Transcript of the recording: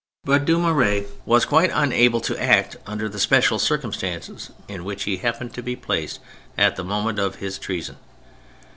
But Dumouriez was quite unable to act under the special circumstances in which he happened to be placed at the moment of his treason.